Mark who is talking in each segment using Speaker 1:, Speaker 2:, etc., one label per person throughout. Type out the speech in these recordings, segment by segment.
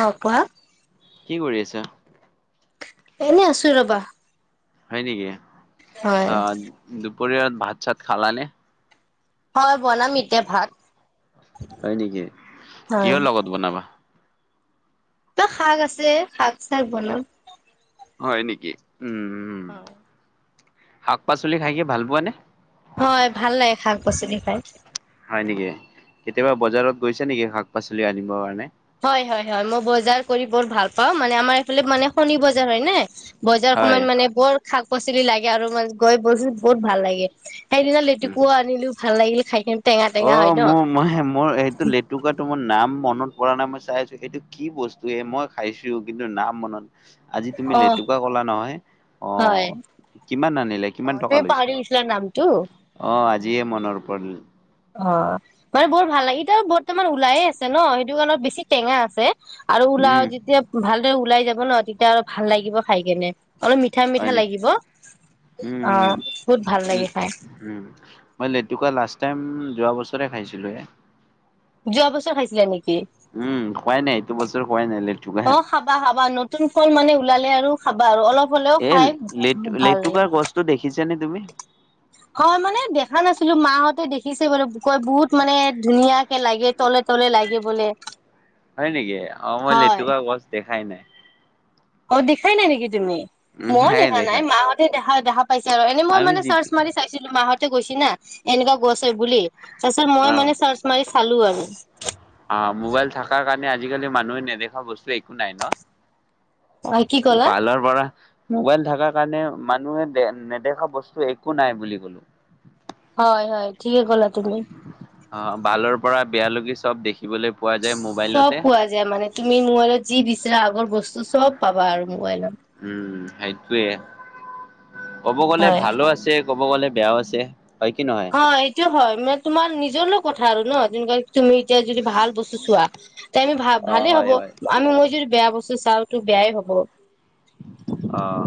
Speaker 1: অ', কোৱা।
Speaker 2: কি কৰি আছা।
Speaker 1: এনে আছো ৰবা।
Speaker 2: হয় নেকি?
Speaker 1: হয়
Speaker 2: অ' যু পৰিয়ালত ভাত-চাত খালানে?
Speaker 1: হয় বনাম ইতা ভাত।
Speaker 2: হয় নেকি
Speaker 1: হয়
Speaker 2: কিহৰ লগত বনাবা?
Speaker 1: শাক আছে শাক চাক বনাও।
Speaker 2: হয় নেকি?
Speaker 1: হয়।
Speaker 2: শাক-পাচলি খাই কি ভাল পোৱা নে?
Speaker 1: হয় ভাল লাগে শাক-পাচলি খায়। [inaudible]
Speaker 2: হয় নেকি? কেতিয়াবা বজাৰত গৈছে নেকি শাক- পাচলি আনিবৰ কাৰণে?
Speaker 1: হয়- হয়-হয় মই বজাৰ কৰি বৰ ভাল পাও মানে আমাৰ এইফালে মানে শনি বজাৰ হয় নে! বজাৰ
Speaker 2: হয়
Speaker 1: সময়ত মানে বৰ শাক-পাচলি লাগে আৰু মানে গৈ বহুত ভাল লাগে। সেইদিনা লেটেকু আনিলো। ভাল লাগিলে খাই কে
Speaker 2: অ' মোৰ মই মোৰ সেইটো লেতুকাটো মোৰ নাম মন মনত পৰা নাই মই চাই আছো, এইটো কি বস্তু এই মই খাইছো কিন্তু নাম মনত আজি
Speaker 1: অ
Speaker 2: তুমি লেতুকা ক'লা নহয়।
Speaker 1: হয়
Speaker 2: অ' কিমান আনি
Speaker 1: অ
Speaker 2: কিমান টকা
Speaker 1: তুমি
Speaker 2: লৈছে,
Speaker 1: পাহৰি গৈছিলা নামটো।
Speaker 2: অ' আজিয়ে মনৰ ওপৰত উম'।
Speaker 1: অ' মানে বৰ ভাল লাগে ইতা বৰ্তমান ওলাইে আছে ন' সেইটো কাৰণত বেছি টেঙা আছে। আৰু
Speaker 2: উম
Speaker 1: ওলাও যেতিয়া ভালদৰে ওলাই যাব ন তেতিয়া আৰু ভাল লাগিব খাই কেনে অলপ মিঠা
Speaker 2: হয়
Speaker 1: মিঠা
Speaker 2: নেকি
Speaker 1: লাগিব অ
Speaker 2: উম
Speaker 1: বহুত ভাল লাগে খাই
Speaker 2: মই লেটুকা লাষ্ট টাইম যোৱা বছৰে খাইছিলোয়ে।
Speaker 1: যোৱা বছৰ খাইছিলে নেকি?
Speaker 2: উম, খোৱাই নাই এইটো বছৰ খোৱাই নাই লেটুকা।
Speaker 1: অ' খাবা, খাবা নতুন ফল মানে ওলালে আৰু খাবা আৰু অলপ। হলেও
Speaker 2: এ
Speaker 1: খাই
Speaker 2: লেটু
Speaker 1: ভাল লাগে
Speaker 2: লেটুকাৰ গছটো দেখিছে চানে তুমি?
Speaker 1: হয় মানে দেখা নাছিলো, মাহঁতে দেখিছে বাৰু কয় বহুত মানে ধুনীয়াকে লাগে তলে-তলে লাগে বোলে।
Speaker 2: হয় নেকি অ মই
Speaker 1: হয়
Speaker 2: লেতুকা গছ দেখাই নাই
Speaker 1: অ দেখাই নাই নেকি? তুমি মই দেখা নাই মাহঁতে দেখা দে পাইছে আৰু এনেই মই
Speaker 2: আমি
Speaker 1: মে
Speaker 2: যি
Speaker 1: চাৰ্চ মাৰি চাইছিলো মাহত গৈছি না এনেকুৱা গৈছে বুলি [unintelligible] ত ছ মই
Speaker 2: অ',
Speaker 1: মানে চচ মাৰি [unintelligible] খালোঁ আৰু
Speaker 2: অ মোবাইল থকাৰ কাৰণে আজিকালি মানুহে নেদেখা বস্তু একো নাই ন
Speaker 1: হয় কি ক'লা
Speaker 2: পাইলৰ পৰা [unintelligible] মোবাইল থকাৰ কাৰণে মানুহে নেদেখা বস্তু একো নাই বুলি কলো
Speaker 1: হয় হয় ঠিকেই ক'লা তুমি
Speaker 2: অ' ভালৰ পৰা বেয়ালৈকে চব দেখি
Speaker 1: চব পোৱা যায় মানে তুমি মোৰলত যি বিচৰাা আগৰ বস্তু [unintelligible] চব পাবা আৰু মোবাইলত
Speaker 2: উম সেইটোৱে ক'ব গ'লে
Speaker 1: হয়
Speaker 2: ভালো আছে ক'ব গ'লে বেয়াও আছে হয় কি নহয়?
Speaker 1: অ এইটো হয় মানে তোমাৰ নিজৰ লগ কথা আৰু ন তুমিতিয়া যদি ভাল বস্তু চোৱা তে আমি ভ
Speaker 2: অ
Speaker 1: ভালে
Speaker 2: হয়
Speaker 1: হ'ব
Speaker 2: হয়।
Speaker 1: আমি মই যদি বেয়া বস্তু চাওতো বেয়াই হ'ব
Speaker 2: আহ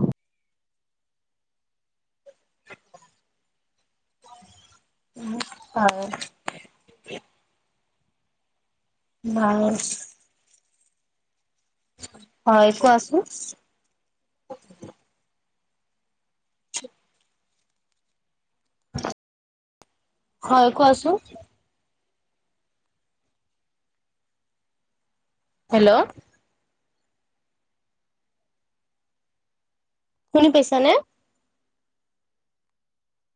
Speaker 1: উম হয় বাৰ হয় কোৱা আছো উ হয় কোৱাছোন হেল্ল' শুনি পাইছা নে